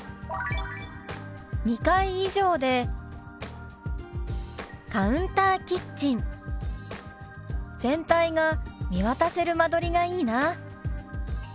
「２階以上でカウンターキッチン全体が見渡せる間取りがいいな」。